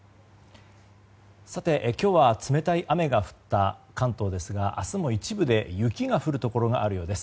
今日は冷たい雨が降った関東ですが明日も一部で雪が降るところがあるようです。